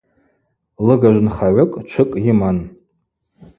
Лыгажв нхагӏвыкӏ чвыкӏ йыман.